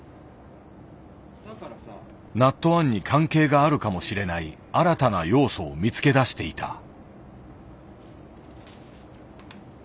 ＮＡＴ１に関係があるかもしれない新たな要素を見つけ出していた。